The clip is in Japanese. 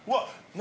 何？